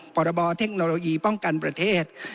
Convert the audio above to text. พรบเทคโนโลยีป้องกันประเทศ